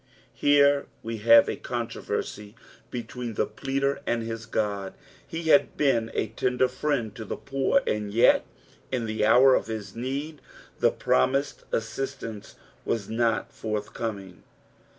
Here we have a controversy between the pleader and his God, He had been a tender friend to the poor, and yet in the hour uf his need the promised assist ance was nut furthcoming.